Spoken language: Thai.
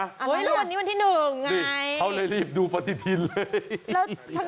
ไม่รู้วันนี้วันที่หนึ่งเขาเลยรีบดูปฏิทินเลย